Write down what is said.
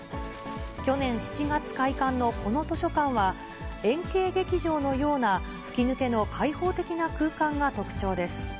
去年７月開館のこの図書館は、円形劇場のような吹き抜けの開放的な空間が特徴です。